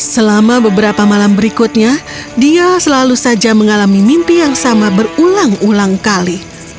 selama beberapa malam berikutnya dia selalu saja mengalami mimpi yang sama berulang ulang kali